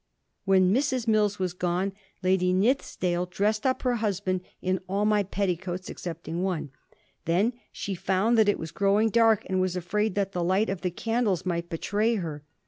When Mrs. MiUs was gone, Lady Nithisdale dressed up her husband ^ in all my petticoats excepting one.' Then she found that it was growing dark, and was afraid that the light of the candles might betray her.